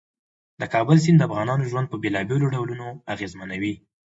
د کابل سیند د افغانانو ژوند په بېلابېلو ډولونو اغېزمنوي.